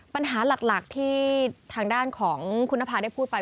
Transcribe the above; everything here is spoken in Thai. ปัญหาหลักที่ทางด้านของคุณนภาได้พูดไป